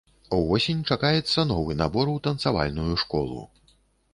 Увосень чакаецца новы набор у танцавальную школу.